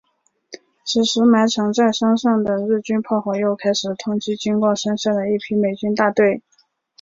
此时埋藏在山上的日军炮火又开始痛击经过山下的一批美军大队。